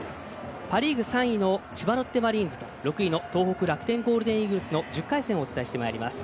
パ・リーグ３位の千葉ロッテマリーンズと６位の東北楽天ゴールデンイーグルスの１０回戦をお伝えしてまいります。